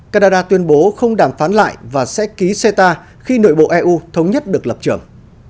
canada tuyên bố không đàm phán lại và sẽ ký ceta khi nội bộ eu thống nhất được lập trưởng